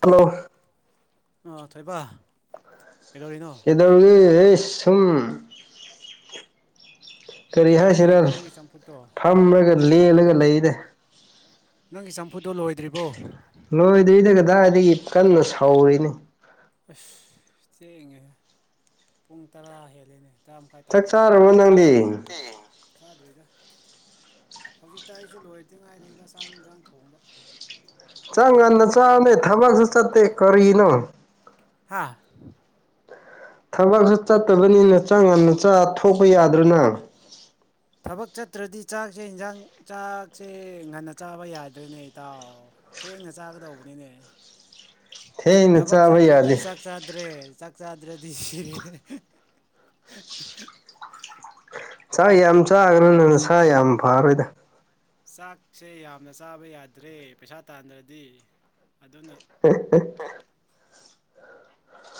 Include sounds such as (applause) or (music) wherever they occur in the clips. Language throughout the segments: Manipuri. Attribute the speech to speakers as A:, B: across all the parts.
A: ꯍꯜꯂꯣ
B: ꯑ ꯊꯣꯏꯕ ꯀꯩꯗꯧꯔꯤꯅꯣ
A: ꯑꯦꯗꯧꯒ ꯁꯨꯝ ꯀꯔꯤ ꯍꯥꯏꯁꯤꯔ
B: ꯂꯣꯏꯗ꯭ꯔꯤꯕꯣ ꯅꯪꯒꯤ ꯆꯝꯐꯨꯠꯇꯣ
A: ꯐꯝꯃꯒ ꯂꯦꯜꯂꯒ ꯂꯩꯅꯦ
B: ꯅꯪꯒꯤ ꯆꯝꯐꯨꯗꯣ ꯂꯣꯏꯗ꯭ꯔꯤꯕꯣ
A: ꯂꯣꯏꯗ꯭ꯔꯤꯗ ꯀꯗꯥꯏꯗꯒꯤ ꯀꯟꯅ ꯁꯥꯎꯧꯔꯤꯅꯤ
B: ꯑꯁ ꯆꯦꯡꯡꯉꯦ ꯄꯨꯡ ꯇꯔꯥ ꯍꯦꯜꯂꯦꯅꯦ ꯇꯔꯥ ꯃꯈꯥꯏ
A: ꯆꯥꯛ
B: ꯇꯥꯗꯧꯔꯦꯅꯦ
A: ꯆꯥꯔꯕꯣ ꯅꯪꯗꯤ
B: ꯆꯥꯗ꯭ꯔꯤꯗ ꯍꯧꯖꯤꯛꯇ ꯑꯩꯁꯨ ꯂꯣꯏꯔꯗꯤ ꯉꯥꯏꯔꯦꯏꯩꯅ ꯆꯥꯛ ꯏꯟꯁꯥꯡ ꯊꯣꯡꯕ ꯃꯤ
A: ꯆꯪ
B: ꯀꯅꯥꯝ
A: ꯉꯗ
B: ꯂꯩꯇꯕꯅꯤꯅ
A: ꯆꯥꯃꯦ
B: ꯑꯩ ꯏꯊꯟꯇ
A: ꯊꯕꯛꯁꯨ ꯆꯠꯇꯦ ꯀꯔꯤꯅꯣ
B: ꯍꯥꯥ
A: ꯊꯕꯛꯁꯨ ꯆꯠꯇꯕꯅꯤꯅ ꯆꯥ ꯌꯥꯝꯅ ꯆꯥ ꯊꯣꯛꯄ ꯌꯥꯗ꯭ꯔꯅ
B: ꯊꯕꯛ ꯆꯠꯇ꯭ꯔꯗꯤ ꯆꯥꯛꯁꯦ ꯏꯟꯁꯥꯡ ꯆꯥꯛꯁꯦ ꯉꯟꯅ ꯆꯥꯕ ꯌꯥꯗ꯭ꯔꯦꯅꯦ ꯏꯇꯥꯎ ꯊꯦꯡꯅ ꯆꯥꯒꯗꯧꯕꯅꯤꯅꯦ
A: ꯊꯦꯡꯅ
B: ꯊꯕꯛꯁ
A: ꯆꯥꯕ
B: ꯊꯗꯤ
A: ꯌꯥꯗꯦ
B: ꯁꯥꯁꯗ꯭ꯔꯦ ꯆꯥꯛ ꯆꯥꯗ꯭ꯔꯗꯤ ꯁꯤꯔꯦ
A: ꯁꯥꯥꯛ ꯌꯥꯝ ꯆꯥꯈ꯭ꯔ ꯅ ꯁꯥ ꯌꯥꯝ ꯐꯔꯣꯏꯗ
B: ꯆꯥꯛꯁꯦ ꯌꯥꯝꯅ ꯆꯥꯕ ꯌꯥꯗ꯭ꯔꯦ ꯄꯩꯁꯥ ꯇꯥꯟꯗ꯭ꯔꯗꯤ ꯑꯗꯨꯅ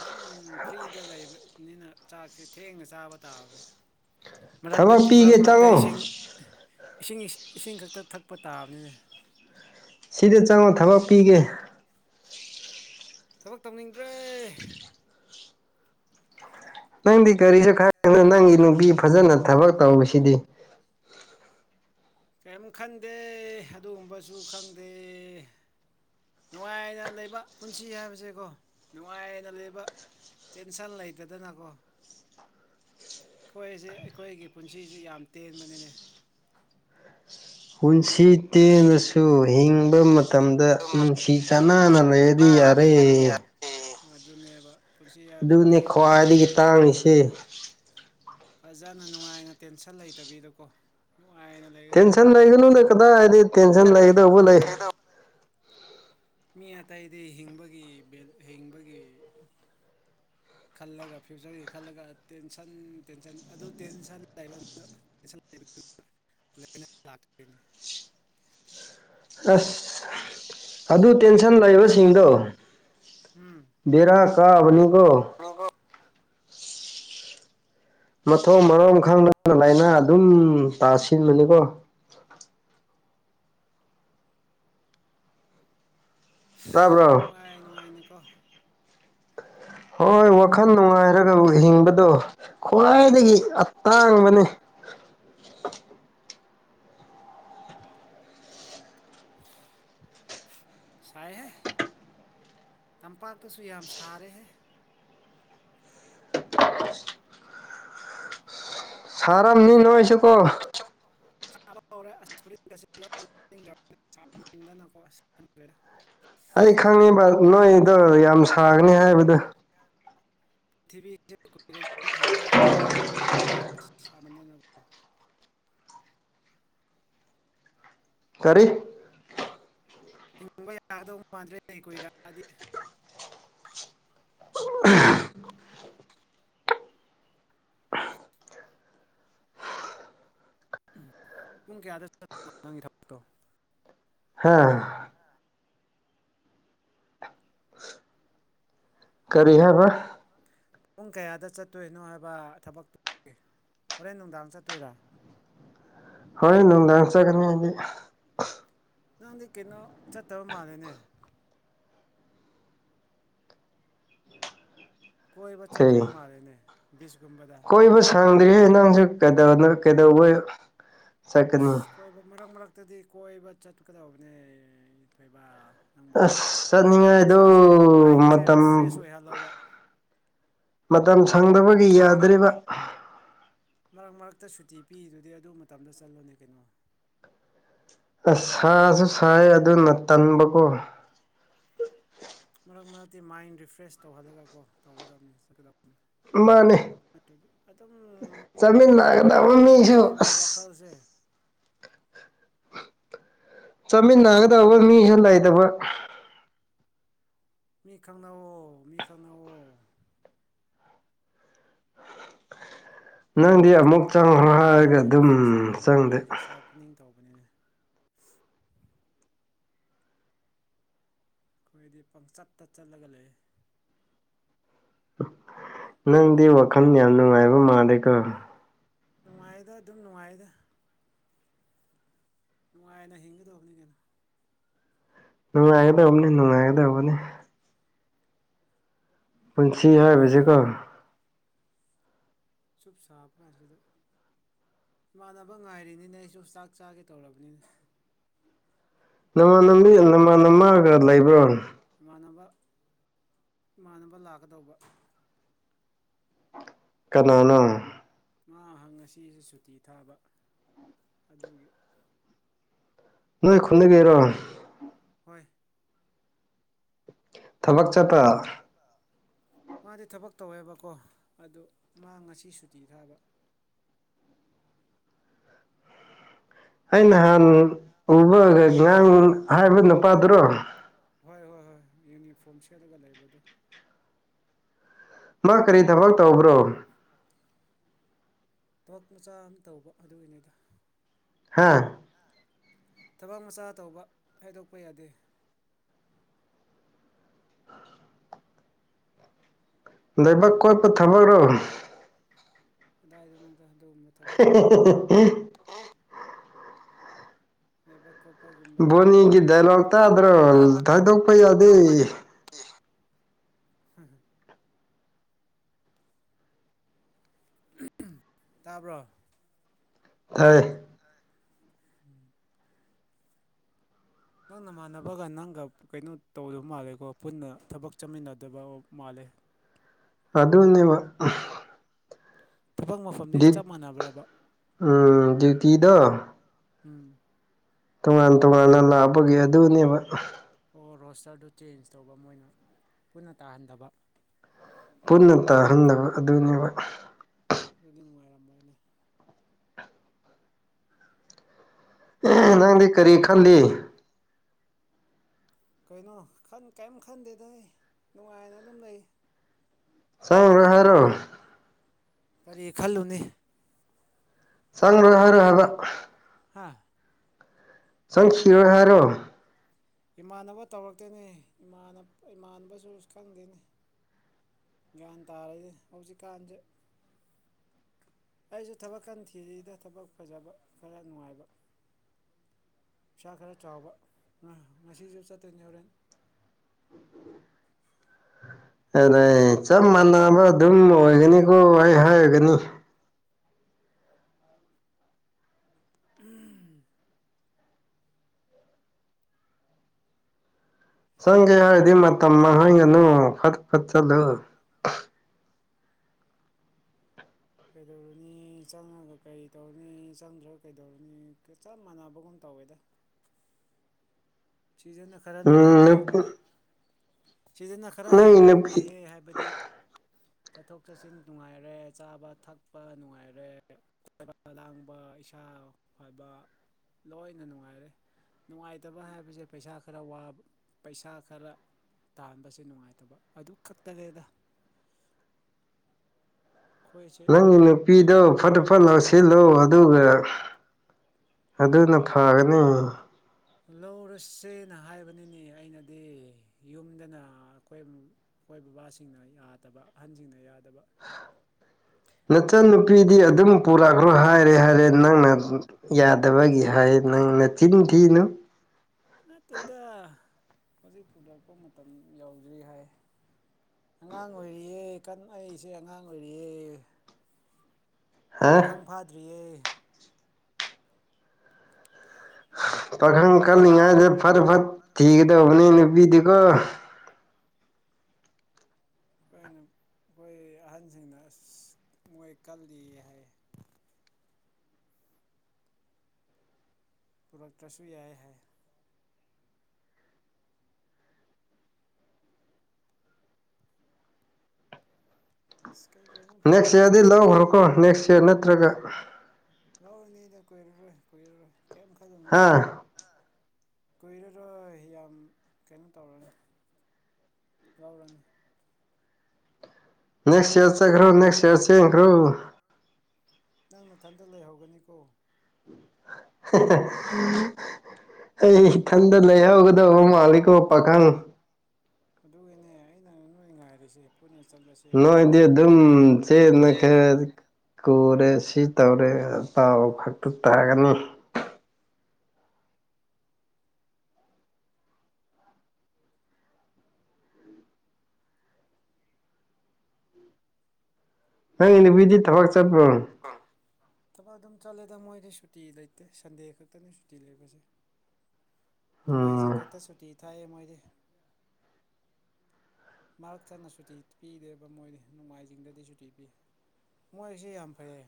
B: ꯑꯗꯨꯝ ꯐ꯭ꯔꯤꯗ ꯂꯩꯕꯅꯤꯅ ꯆꯥꯛꯁꯦ ꯊꯦꯡꯅ ꯆꯥꯕ ꯇꯥꯕꯅꯤ ꯃꯔꯛꯇ
A: ꯊꯕꯛ
B: ꯃꯔꯛ
A: ꯄꯤꯒꯦ
B: ꯃꯔꯛꯇ
A: ꯆꯪꯉꯣ
B: ꯏꯁꯤꯡ ꯏꯁꯤꯡ ꯏꯁꯤꯡ ꯈꯛꯇ ꯊꯛꯄ ꯇꯥꯕꯅꯤꯅ
A: ꯁꯤꯗ ꯆꯪꯅ ꯊꯕꯛ ꯄꯤꯒꯦ
B: ꯊꯕꯛ ꯇꯧꯅꯤꯡꯗ꯭ꯔꯦ
A: ꯅꯪꯗꯤ ꯀꯔꯤꯁꯨ ꯈꯥꯏꯦ ꯅꯪꯒꯤ ꯅꯨꯄꯤ ꯐꯖꯅ ꯊꯕꯛ ꯇꯧꯕꯁꯤꯗꯤ
B: ꯀꯔꯤꯝ ꯈꯪꯗꯦ ꯑꯗꯨꯒꯨꯝꯕꯁꯨ ꯈꯪꯗꯦ ꯅꯨꯡꯉꯥꯏꯅ ꯂꯩꯕ ꯄꯨꯟꯁꯤ ꯍꯥꯏꯕꯁꯦꯀꯣ ꯅꯨꯡꯉꯥꯏꯅ ꯂꯩꯕ ꯇꯦꯟꯁꯟ ꯂꯩꯇꯗꯅꯀꯣ ꯑꯩꯈꯣꯏꯁꯦ ꯑꯩꯈꯣꯏꯒꯤ ꯄꯨꯟꯁꯤꯁꯤ ꯌꯥꯝ ꯇꯦꯟꯕꯅꯤꯅꯦ
A: ꯄꯨꯟꯁꯤ ꯇꯦꯟꯅꯁꯨ ꯍꯤꯡꯕ ꯃꯇꯝꯗ ꯎꯝ ꯁꯤ ꯆꯥꯟꯅꯅ ꯂꯩꯗꯤ ꯌꯥꯔꯦ
B: ꯑꯗꯨꯅꯦꯕ ꯄꯨꯟꯁꯤ ꯍꯥꯏꯕꯁꯤ
A: ꯑꯗꯨꯅꯦ
B: ꯇꯦꯟꯅ
A: ꯈ꯭ꯋꯥꯏꯗꯒꯤ
B: ꯇꯦꯟꯅ
A: ꯇꯥꯡꯉꯤꯁꯦ
B: ꯍꯤꯡꯕꯅꯤꯅ ꯐꯖꯅ ꯅꯨꯡꯉꯥꯏꯅ ꯇꯦꯟꯁꯟ ꯂꯩꯇꯕꯤꯗꯀꯣ ꯅꯨꯡꯉꯥꯏꯅ
A: ꯇꯦꯟꯁꯟ
B: ꯂꯩꯒꯗꯧꯕꯅꯤ
A: ꯂꯩꯒꯅꯣꯗ ꯀꯗꯥꯏ ꯍꯥꯏꯗꯤ ꯇꯦꯟꯁꯟ ꯂꯩꯒꯗꯧꯕ ꯂꯩ
B: ꯃꯤ ꯑꯇꯩꯗꯤ ꯍꯤꯡꯕꯒꯤ ꯍꯤꯡꯕꯒꯤ ꯈꯜꯂꯒ ꯐ꯭ꯌꯨꯆꯔꯒꯤ ꯈꯜꯂꯒ ꯇꯦꯟꯁꯟ ꯇꯦꯟꯁꯟ ꯑꯗꯨ ꯇꯦꯟꯁꯟ ꯂꯩꯕ ꯥꯛꯣꯏꯅꯦ
A: ꯑꯁ ꯑꯗꯨ ꯇꯦꯟꯁꯟ ꯂꯩꯕ ꯁꯤꯁꯤꯡꯗꯣ
B: ꯎꯝ
A: ꯔꯥ ꯀꯥꯕꯅꯤꯀꯣ ꯃꯊꯣꯡ ꯃꯔꯣꯡꯝ ꯈꯪꯗꯅ ꯂꯥꯏꯅꯥ ꯑꯗꯨꯝ ꯇꯥꯁꯤꯟꯕꯅꯤꯀꯣ ꯇꯥꯕ꯭ꯔꯣ
B: ꯅꯨꯡꯉꯥꯏ ꯅꯨꯡꯉꯥꯏꯅꯀꯣ
A: ꯍꯣꯏ ꯋꯥꯈꯜ
B: ꯂꯩꯒꯗꯧꯕꯅꯤ
A: ꯅꯨꯡꯉꯥꯏꯔꯒꯕꯨ ꯍꯤꯡꯕꯗꯣ
B: ꯎꯝ
A: ꯈ꯭ꯋꯥꯏꯗꯒꯤ ꯑꯇꯥꯡꯕꯅꯦ (unintelligible)
B: (unintelligible) ꯁꯥꯏꯍꯦ ꯇꯝꯄꯥꯛꯇꯁꯨ ꯌꯥꯝ ꯁꯥꯔꯦꯍꯦ
A: ꯁꯔꯥ ꯑꯃ ꯅ ꯂꯉꯣꯏꯁꯤꯀꯣ
B: ꯍꯧꯔꯦꯣ
A: ꯑꯩ ꯈꯪꯉꯤꯕ ꯅꯣꯏꯗꯣ ꯌꯥꯝ ꯁꯥꯒꯅꯤ ꯍꯥꯏꯕꯗ
B: ꯄ꯭ꯔꯤꯊꯤ ꯍꯤꯡꯕ ꯌꯥꯗ ꯊꯥꯃꯤꯗꯅꯕꯅꯕꯣ
A: ꯈꯔꯤ
B: ꯏꯅꯤꯡꯕ ꯌꯥꯒꯗꯧ ꯃꯥꯟꯗ꯭ꯔꯦ ꯀ ꯀꯨꯏꯔꯛꯗꯤ (unintelligible) ꯎ ꯎꯨꯝ ꯀꯦꯗꯠꯇꯣ
A: ꯍꯥꯥ ꯀꯔꯤ ꯍꯥꯏꯔ
B: ꯄꯨꯡ ꯀꯌꯥꯗ ꯆꯠꯇꯣꯏꯅꯣ ꯍꯥꯏꯕ ꯊꯕꯛꯇꯨ ꯍꯣꯔꯦꯟ ꯅꯨꯡꯗꯥꯡ ꯆꯠꯇꯣꯏꯔꯥ (unintelligible)
A: ꯍ ꯅꯨꯡꯗꯥꯡ ꯆꯠꯒꯅꯤ ꯍꯥꯏꯗꯤ
B: ꯅꯪꯗꯤ ꯀꯩꯅꯣ ꯆꯠꯇꯕ ꯃꯥꯜꯂꯦꯅꯦ ꯀꯣꯏꯕ
A: ꯀꯩ
B: ꯆꯠꯇꯕ ꯃꯥꯜꯂꯦꯅꯦ ꯕꯤꯁꯀꯨꯝꯕꯗ
A: ꯀꯣꯏꯕ ꯁꯪꯗ꯭ꯔꯤ ꯅꯉꯥꯡꯁꯨ ꯀꯩꯗꯅ ꯀꯩꯗ ꯎ
B: ꯑ ꯀꯣꯏꯕ ꯃꯔꯛ ꯃꯔꯛꯇꯗꯤ ꯀꯣꯏꯕ ꯆꯠꯄꯀꯗꯧꯕꯅꯦ ꯊꯣꯏꯕ ꯅꯪꯕꯨ
A: ꯑꯁ ꯆꯠꯅꯤꯡꯉꯥꯏꯗ
B: ꯏꯁꯥꯁꯦ ꯃꯥꯏꯟꯁꯦ
A: ꯃꯇꯝ
B: ꯔꯤꯐ꯭ꯔꯦꯁ ꯑꯣꯏꯍꯜꯂꯧꯕ
A: ꯃꯇꯝ ꯁꯪꯗꯕꯒꯤ ꯌꯥꯗ꯭ꯔꯤꯕ
B: ꯃꯔꯛ ꯃꯔꯛꯇ ꯁꯨꯇꯤ ꯄꯤꯗꯨꯗꯤ ꯑꯗꯨ ꯃꯇꯝꯗ ꯆꯠꯂꯣꯅꯦ ꯀꯩꯅꯣ
A: ꯑꯁ ꯁꯥꯁꯨ ꯁꯥꯏ ꯑꯗꯨꯅ ꯇꯟꯕꯀꯣ
B: ꯆ ꯅꯠꯇꯦ ꯃꯥꯏꯟ ꯔꯤꯐ꯭ꯔꯦꯁ ꯇꯧꯍꯜꯂꯒꯀꯣ ꯇꯧꯒꯗꯕꯅꯤ ꯆꯠꯀꯗꯕ
A: ꯃꯥꯅꯦ
B: ꯑꯗꯨꯝ ꯔꯨꯝꯗ
A: ꯆꯠꯃꯤꯟꯅꯒꯗꯕ
B: ꯑꯗꯨꯝ
A: ꯃꯤꯁꯨ
B: ꯂꯩꯔꯗꯤꯕ
A: ꯑꯁ
B: ꯋꯥꯈꯜꯁꯦ
A: ꯆꯥꯃꯤꯟꯅꯒꯗꯕ
B: ꯂꯥꯛꯑꯔꯣꯏ
A: ꯃꯤ ꯈ ꯂꯩꯇꯕ
B: ꯃꯤ ꯈꯪꯅꯣ ꯃꯤ ꯈꯪꯅꯣ
A: ꯅꯪꯗꯤ ꯑꯃꯨꯛ
B: ꯆꯠꯊꯣꯛꯄ
A: ꯆꯪꯈ꯭ꯔꯣ
B: ꯀꯥꯟꯗꯅ
A: ꯍꯥꯏꯔꯒ
B: ꯃꯥꯏꯟꯁꯦ
A: ꯑꯗꯨꯝ
B: ꯔꯤꯐ꯭ꯔꯦꯁ ꯂꯥꯛꯑꯅꯤ
A: ꯆꯪꯗꯦ
B: ꯃꯥꯏꯟꯁꯦ ꯁꯥꯔꯄꯅꯤꯡ ꯇꯧꯕ ꯑꯩꯈꯣꯏꯗꯤ ꯄꯪꯆꯠꯇ ꯆꯠꯂꯒ ꯂꯩ
A: ꯅꯪꯗꯤ ꯋꯥꯈꯜ ꯌꯥꯝ ꯅꯨꯡꯉꯥꯏꯕ ꯃꯥꯜꯂꯦꯀꯣ
B: ꯅꯨꯡꯉꯥꯏꯗ ꯑꯗꯨꯝ ꯅꯨꯡꯉꯥꯏꯗ ꯅꯨꯡꯉꯥꯏꯅ ꯍꯤꯡꯒꯗꯕꯅꯤ ꯀꯩꯅꯣ
A: ꯅꯗꯅꯤ ꯅ ꯃꯗꯕꯅꯤ ꯄꯨꯟꯁꯤ ꯍꯥꯏꯕꯁꯤꯀꯣ
B: ꯆꯨꯞ ꯁꯥꯞ ꯉꯁꯤꯗ ꯏꯃꯥꯟꯅꯕ ꯉꯥꯏꯔꯤꯅꯤꯅꯦ ꯑꯩꯁꯨ ꯆꯥꯛ ꯆꯥꯒꯦ ꯇꯧꯔꯕꯅꯤꯅ
A: ꯅꯃꯥꯟ ꯅꯕꯤ ꯅꯃꯥꯟ ꯅꯃꯥꯒ ꯂꯩꯕ꯭ꯔ
B: ꯏꯃꯥꯟꯅꯕ ꯏꯃꯥꯟꯅꯕ ꯂꯥꯛꯀꯗꯧꯕ
A: ꯀꯅꯥꯅꯣ
B: ꯃꯥꯍ ꯉꯁꯤꯁꯨ ꯁꯨꯇꯤ ꯊꯥꯕ ꯑꯗꯨꯒꯤ
A: ꯅꯣꯏ ꯈꯨꯟꯅꯒꯤꯔꯣ
B: ꯍꯣꯏ
A: ꯊꯕꯛ ꯆꯠꯇ
B: ꯃꯥꯗꯤ ꯊꯕꯛ ꯇꯧꯋꯦꯕꯀꯣ ꯑꯗꯨ ꯃꯥ ꯉꯁꯤ ꯁꯨꯇꯤ ꯊꯥꯕ
A: ꯑꯩ ꯅꯍꯥꯟ ꯎꯕꯒ ꯉꯥꯡ ꯍꯥꯏꯕ ꯅꯨꯄꯥꯗꯨꯔꯣ
B: ꯍꯣꯏ ꯍꯣꯏ ꯍꯣꯏ ꯌꯨꯅꯤꯐꯣꯔꯝ ꯁꯦꯠꯂꯒ ꯂꯩꯕꯗꯣ
A: ꯃꯥ ꯀꯔꯤ ꯊꯕꯛ ꯇꯧꯕ꯭ꯔꯣ
B: ꯊꯕꯛ ꯃꯆꯥ ꯑꯃ ꯇꯧꯕ ꯑꯗꯨ ꯑꯣꯏꯉꯩꯗ
A: ꯍꯥꯥ
B: ꯊꯕꯛ ꯃꯆꯥ ꯇꯧꯕ ꯍꯥꯏꯗꯣꯛꯄ ꯌꯥꯗꯦ
A: ꯗꯕꯥꯛ ꯀꯣꯏꯄ ꯊꯕꯒ꯭ꯔꯣ
B: ꯀꯗꯥꯏꯗꯅꯗꯗ ꯇꯕꯦ ꯂꯩꯕ
A: ꯕꯣꯅꯤꯒꯤ ꯗꯥꯏꯂꯣꯛ ꯇꯥꯗ꯭ꯔꯣ ꯊꯥꯏꯗꯣꯛꯄ ꯌꯥꯗꯦ
B: ꯍꯝ ꯇꯥꯔꯕ꯭ꯔꯣ
A: ꯊꯔꯦ
B: ꯎꯝ ꯅꯪꯅ ꯃꯥꯟꯅꯕꯒ ꯅꯪꯒ ꯀꯩꯅꯣ ꯇꯧꯗ ꯃꯥꯜꯂꯦꯀꯣ ꯄꯨꯟꯅ ꯊꯕꯛ ꯆꯠꯃꯤꯟꯅꯗꯕ ꯃꯥꯜꯂꯦ (inaudible)
A: ꯑꯗꯨꯅꯦꯕ
B: ꯊꯕꯛ ꯃꯐꯝꯗꯤ
A: ꯗꯤ
B: ꯆꯞ ꯃꯥꯟꯅꯕ꯭ꯔꯕ
A: ꯀꯤꯗ
B: ꯎꯝ
A: ꯇꯣꯉꯥꯟ ꯇꯣꯉꯥꯟꯅ ꯂꯥꯛꯞꯄꯒꯤ ꯑꯗꯨꯅꯦꯕ
B: ꯑꯣ ꯔꯣꯁꯇꯔꯗꯨ ꯆꯦꯟꯖ ꯇꯧꯕ ꯃꯣꯏꯅ ꯄꯨꯟꯅ ꯇꯥꯍꯟꯗꯕ
A: ꯄꯨꯟꯅ ꯇꯥꯍꯟꯗꯕ ꯑꯗꯨꯅꯦꯕ
B: ꯃꯨꯝꯕꯥꯏꯅ
A: ꯑꯦ ꯅꯪꯗꯤ ꯀꯔꯤ ꯈꯜꯂꯤ
B: ꯀꯩꯅꯣꯟ ꯀꯔꯤꯝ ꯈꯟꯗꯦꯗ ꯑꯩ ꯅꯨꯡꯉꯥꯏꯅ ꯑꯗꯨꯝ ꯂꯩ ꯀꯔꯤ
A: ꯁ꯭ꯔ ꯍꯥꯏꯔꯣ
B: ꯈꯜꯂꯨꯅꯤ ꯀꯔꯤ ꯈꯜꯂꯨꯅꯤ
A: ꯆꯥꯡꯔꯣꯏ
B: ꯈꯜꯂꯒ
A: ꯍꯥꯏꯔꯣꯏ
B: ꯀꯩꯁꯨ
A: ꯍꯥꯏꯕ
B: ꯍꯥ
A: ꯁꯪꯁꯤꯔꯣ
B: ꯏꯃꯥꯟꯅꯕ ꯇꯧꯔꯛꯇꯣꯏꯅꯤ ꯏꯃꯥꯟꯅꯕꯁꯨ ꯈꯪꯗꯦꯅꯤ ꯒ꯭ꯌꯥꯟ ꯇꯥꯔꯗꯤ ꯍꯧꯖꯤꯛꯀꯥꯟꯁꯦ ꯑꯩꯁꯨ ꯊꯕꯛꯀꯟꯊꯤꯔꯤꯗ ꯊꯕꯛ ꯐꯖꯕ ꯈꯔ ꯅꯨꯡꯉꯥꯏꯕ ꯄꯩꯥ ꯈꯔ ꯆꯥꯎꯕ ꯉꯁꯤꯁꯨ ꯆꯠꯇꯅ ꯍꯣꯔꯦꯟ
A: ꯑꯗꯩ ꯆꯞ ꯃꯥꯟꯅꯕ ꯑꯗꯨꯝ ꯑꯣꯏꯒꯅꯤꯀꯣ ꯑꯩ ꯍꯥꯏꯔꯒꯅꯤ
B: ꯎꯝ
A: ꯁꯪꯒꯦ ꯍꯥꯏꯔꯗꯤ ꯃꯇꯝ ꯍꯪꯒꯅꯨ ꯐꯠ ꯐꯠ ꯆꯠꯂꯨ
B: ꯀꯩꯗꯧꯔꯅꯤ ꯆꯪꯉꯒ ꯀꯔꯤ ꯇꯧꯔꯅꯤ ꯆꯪꯗ꯭ꯔꯒ ꯀꯩꯗꯧꯔꯅꯤ ꯆꯞ ꯃꯥꯟꯅꯕꯒꯨꯝ ꯇꯧ ꯇꯋꯦꯗ ꯁꯤꯖꯟꯅ ꯈꯔ
A: ꯎꯝ
B: ꯅꯨꯡꯉꯥꯏꯕ
A: ꯅꯨꯄꯤ
B: ꯍꯦꯜꯂꯦꯗ ꯁꯤꯗꯅ ꯈꯔ
A: ꯅꯪꯒꯤ
B: ꯍꯦꯟꯅ
A: ꯅꯨꯄꯤ
B: ꯅꯨꯡꯉꯥꯏꯌꯦ ꯍꯥꯏꯕꯗꯤ ꯆꯠꯊꯣꯛ ꯆꯠꯁꯤꯟ ꯅꯨꯡꯉꯥꯏꯔꯦ ꯆꯥꯕ ꯊꯛꯄ ꯅꯨꯡꯉꯥꯏꯔꯦ ꯂꯥꯡꯕ ꯏꯁꯥ ꯐꯕ ꯂꯣꯏꯅ ꯅꯨꯡꯉꯥꯏꯔꯦ ꯅꯨꯡꯉꯥꯏꯇꯕ ꯍꯥꯏꯕꯁꯦ ꯄꯩꯁꯥ ꯈꯔ ꯋꯥꯕ ꯄꯩꯁꯥ ꯈꯔ ꯇꯥꯥꯟꯕꯁꯦ ꯅꯨꯡꯉꯥꯏꯇꯕ ꯑꯗꯨ ꯈꯛꯇꯅꯦꯗ ꯑꯩꯈꯣꯏꯁꯦ
A: ꯅꯪꯒꯤ ꯅꯨꯄꯤꯗꯣ ꯐꯠ ꯐ ꯐꯠ ꯂꯧ ꯁꯤꯜꯂꯨ ꯑꯗꯨꯒ ꯑꯗꯨꯅ ꯐꯒꯅꯤ
B: ꯂꯧꯔꯁꯦꯅ ꯍꯥꯏꯕꯅꯤꯅꯦ ꯑꯩꯅꯗꯤ ꯌꯨꯝꯗꯅ ꯑꯩꯈꯣꯏ ꯑꯩꯈꯣꯏ ꯕꯕꯥꯁꯤꯡꯅ ꯌꯥꯗꯕ ꯑꯍꯟꯁꯤꯡꯅ ꯌꯥꯗꯕ
A: ꯅꯆꯟꯅꯨꯄꯤꯗꯤ ꯑꯗꯨꯝ ꯄꯨꯔꯛꯈ꯭ꯔꯣ ꯍꯥꯏꯔꯦ ꯍꯥꯏꯔꯦ ꯅꯪꯅ ꯌꯥꯗꯕꯒꯤ ꯍꯥꯏ ꯅꯪꯅ ꯆꯤꯟ ꯊꯤꯅꯨ
B: ꯀꯗ ꯍꯧꯖꯤꯛ ꯄꯨꯅꯔꯛꯄ ꯃꯇꯝ ꯌꯎꯗ꯭ꯔꯤ ꯍꯥꯏ ꯑꯉꯥꯡ ꯑꯣꯏꯔꯤꯌꯦꯦ ꯀꯟ ꯑꯩꯁꯦ ꯑꯉꯥꯡ ꯑꯣꯏꯔꯤꯌꯦꯦ
A: ꯍꯥ
B: ꯄꯥꯈꯪ ꯐꯥꯗ꯭ꯔꯤꯌꯦ
A: ꯄꯥꯈꯪ ꯀꯜꯂꯤꯉꯥꯏꯗ ꯐꯠ ꯐꯠ ꯊꯤꯒꯗꯧꯕꯅꯤ ꯅꯨꯄꯤꯗꯨꯀꯣ
B: ꯩꯅ ꯑꯩꯈꯣꯏ ꯑꯍꯟꯁꯤꯡꯅ ꯑꯁ ꯃꯣꯏ ꯀꯜꯂꯤ ꯍꯥꯏ (unintelligible) ꯄ꯭ꯔꯗꯛꯇ꯭ꯔꯁꯨ ꯌꯥꯏ ꯍꯥꯏ ꯀꯩꯀꯩ ꯑꯗꯨꯝ ꯐꯖ
A: ꯅꯦꯛꯁ ꯏꯌꯥꯔꯗꯤ
B: ꯐꯖꯕ
A: ꯂꯧꯈ꯭ꯔꯣꯀꯣ ꯅꯦꯛꯁ ꯏꯌꯥꯔ ꯅꯠꯇ꯭ꯔꯒ
B: ꯂꯧꯔꯅꯤꯗ ꯀꯣꯏꯏꯔꯔꯣꯏ ꯀꯨꯏꯔꯔꯣꯏ ꯀꯩꯝ ꯈꯗꯅꯨꯁꯦ
A: ꯍꯥ
B: ꯀꯨꯏꯔꯔꯣꯏ ꯌꯥꯝ ꯀꯩꯅꯣ ꯇꯧꯔꯅꯤ ꯂꯥꯎꯔꯅꯤ
A: ꯅꯦꯛꯁ ꯏꯌꯥꯔ ꯆꯠꯈ꯭ꯔꯣ ꯅꯦꯛꯁ
B: ꯂꯩꯍꯧꯒꯅꯤ
A: ꯏꯌꯥꯔ ꯆꯡꯈ꯭ꯔꯣ
B: ꯅꯪ ꯃꯊꯟꯇ ꯂꯩꯍꯧꯒꯅꯤꯀꯣ
A: (unintelligible) ꯑꯩ ꯏꯊꯟꯗ ꯂꯩꯍꯧꯒꯗꯧꯕ ꯃꯥꯜꯂꯤꯀꯣ ꯄꯥꯈꯪ
B: ꯑꯗꯨꯒꯤꯅꯦ ꯑꯩꯅ ꯅ ꯅꯣꯏ ꯉꯥꯏꯔꯤꯁꯦ ꯄꯨꯟꯅ ꯆꯠꯂꯁꯦ ꯍꯥꯏꯕ
A: ꯅꯗꯤ
B: ꯇꯧꯕ
A: ꯑꯗꯨꯝ ꯆ ꯅ ꯈꯔ ꯀꯨꯔꯦ ꯁꯤ ꯇꯧꯔꯦ ꯑꯇꯥꯎ ꯐꯛꯇ ꯇꯥꯒꯅꯤ ꯅꯪ ꯏ ꯅꯨꯄꯤꯗꯤ ꯊꯕꯛ ꯆꯠꯄ꯭ꯔꯣ
B: ꯊꯕꯛ ꯑꯗꯨꯝ ꯆꯠꯂꯦꯗ ꯃꯣꯏꯗꯤ ꯁꯨꯇꯤ ꯂꯩꯇꯦ ꯁꯟꯗꯦ ꯈꯛꯇꯅꯤ ꯁꯨꯇꯤ ꯂꯩꯕꯁꯦ ꯅꯣꯡꯃꯥꯏꯖꯤꯡ
A: ꯎꯝ
B: ꯈꯛꯇ ꯁꯨꯇꯤ ꯊꯥꯛꯑꯦ ꯃꯣꯏꯗꯤ ꯃꯔꯛ ꯊꯟꯅ ꯁꯨꯇꯤ ꯄꯤꯗꯦꯕ ꯃꯣꯏꯗꯤ ꯅꯣꯡꯃꯥꯏꯖꯤꯡꯗꯗꯤ ꯁꯨꯇꯤ ꯄꯤ ꯃꯣꯏꯁꯦ ꯌꯥꯝ ꯐꯩꯌꯦ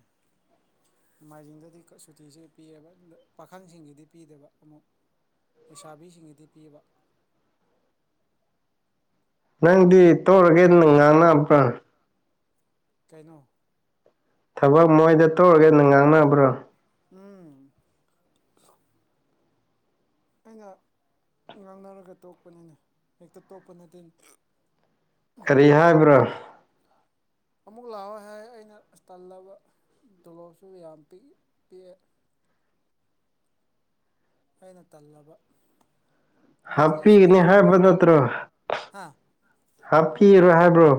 B: ꯅꯣꯡꯃꯥꯏꯖꯤꯡꯗꯗꯤ ꯁꯨꯇꯤꯁꯦ ꯄꯤꯌꯦꯕ ꯄꯥꯈꯪꯁꯤꯡꯒꯤꯗꯤ ꯄꯤꯗꯕ ꯑꯃꯨꯛ ꯂꯩꯁꯥꯕꯤꯁꯤꯡꯒꯤꯗꯤ ꯄꯤꯕ
A: ꯅꯪꯗꯤ ꯇꯧꯔꯒꯦ ꯅꯨꯡ ꯉꯥꯡꯅꯕ꯭ꯔꯥ
B: ꯀꯩꯅꯣ
A: ꯊꯕꯛ ꯃꯣꯏꯗ ꯇꯧꯔꯒꯦ ꯑꯗꯨ ꯉꯥꯡꯅꯕ꯭ꯔꯣ
B: ꯎꯝ ꯑꯩꯅ ꯉꯥꯡꯅꯔꯒ ꯇꯣꯛꯄꯅꯤꯅꯦ ꯍꯦꯛꯇ ꯇꯣꯛꯄ ꯅꯠꯇꯦ
A: ꯀꯔꯤ ꯍꯥꯏꯕ꯭ꯔꯣ
B: ꯑꯃꯨꯛ ꯂꯥꯛꯑꯣ ꯍꯥꯏ ꯑꯩꯅ ꯑ ꯇꯜꯂꯕ ꯇꯣꯂꯣꯞꯁꯨ ꯌꯥꯝ ꯄ ꯄꯤꯛꯑꯦ (inaudible) ꯑꯩꯅ ꯇꯜꯂꯕ ꯕꯤꯖꯤꯅꯦꯁꯁꯨ
A: ꯍꯥꯞꯄꯤꯒꯅꯤ
B: ꯈꯔ
A: ꯍꯥꯏꯕ
B: ꯅꯨꯡꯉꯥꯏꯇꯕ
A: ꯅꯠꯇ꯭ꯔꯣ
B: ꯍꯥ
A: ꯍꯥꯞꯀꯤꯔꯣ ꯍꯥꯏꯕ꯭ꯔꯣ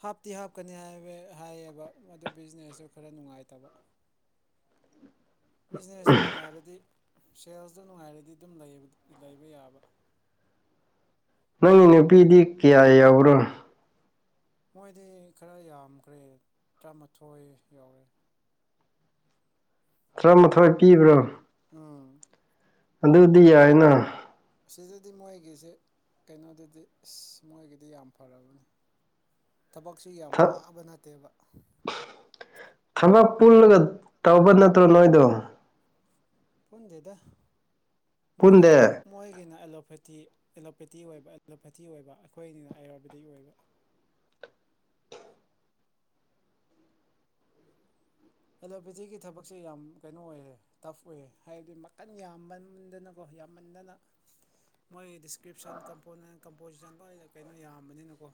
B: ꯍꯥꯞꯇꯤ ꯍꯥꯞꯀꯅꯤ ꯍꯥꯏ ꯍꯥꯏꯌꯦꯕ ꯑꯗꯨ ꯕꯤꯖꯤꯅꯦꯁꯁꯨ ꯈꯔ ꯅꯨꯡꯉꯥꯏꯇꯕ ꯕꯤꯖꯤꯅꯦꯁꯇꯨ ꯅꯨꯡꯉꯥꯏꯔꯗꯤ ꯁꯦꯜꯁꯇꯣ ꯅꯨꯡꯉꯥꯏꯔꯗꯤ ꯑꯗꯨꯝ ꯂꯩꯕ ꯌꯥꯕ
A: ꯅꯪꯒꯤ ꯅꯨꯄꯤꯗꯤ ꯀꯌꯥ ꯌꯥꯎꯔꯣ
B: ꯃꯣꯏꯗꯤ ꯈꯔ ꯌꯥꯝꯈ꯭ꯔꯦ ꯇꯔꯥꯃꯥꯊꯣꯏ ꯌꯧꯔꯦ
A: ꯇꯔꯥꯃꯥꯊꯣꯏ ꯄꯤꯕ꯭ꯔꯣ
B: ꯎꯝ
A: ꯑꯗꯨꯗꯤ ꯌꯥꯏꯅ
B: ꯁꯤꯗꯗꯤ ꯃꯣꯏꯒꯤꯁꯦ ꯀꯩꯅꯣꯗꯨꯗꯤ ꯑꯁ ꯃꯣꯏꯒꯤꯗꯤ ꯌꯥꯝ ꯐꯔꯕꯅꯤ ꯊꯕꯛꯁꯤ ꯌꯥꯝ ꯋꯥꯕ ꯅꯠꯇꯦꯕ
A: ꯊꯕꯛ ꯄꯨꯜꯂꯒ ꯇꯧꯕ ꯅꯠꯇ꯭ꯔꯣ ꯅꯣꯏꯗꯣ
B: ꯄꯨꯟꯗꯦꯗ ꯃꯣꯏꯒꯤꯅ
A: ꯄꯨꯟꯗꯦ
B: ꯃꯣꯏꯒꯤꯅ ꯑꯦꯂꯣꯐꯦꯊꯤ ꯑꯦꯂꯣꯄꯦꯇꯤ ꯑꯣꯏꯕ ꯑꯦꯂꯣꯄꯦꯊꯤ ꯑꯣꯏꯕ ꯑꯩꯈꯣꯏꯅꯤꯅ ꯑꯥꯌꯨꯔꯕꯦꯗꯤꯛ ꯑꯣꯏꯕ ꯑꯦꯂꯣꯄꯦꯊꯤꯒꯤ ꯊꯕꯛꯁꯦ ꯌꯥꯝ ꯀꯩꯅꯣ ꯑꯣꯏꯌꯦ ꯇꯐ ꯑꯣꯏꯌꯦ ꯍꯥꯏꯕꯗꯤ ꯃꯈꯟ ꯌꯥꯝꯃꯟꯗꯅꯀꯣ ꯌꯥꯝꯃꯟꯗꯅ ꯃꯣꯏ ꯗꯤꯁꯀ꯭ꯔꯤꯞꯁꯟ ꯀꯝꯄꯣꯅ ꯀꯝꯄꯣꯖꯤꯁꯟ ꯂꯏꯗ ꯀꯩꯅꯣ ꯌꯥꯝꯕꯅꯤꯅꯀꯣ